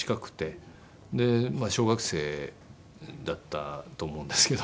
で小学生だったと思うんですけど。